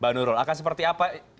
bang nurul akan seperti apa